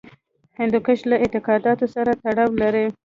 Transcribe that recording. هندوکش له اعتقاداتو سره تړاو لري.